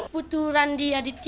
putu randi yaditya